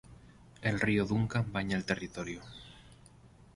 El río Duncan baña el territorio.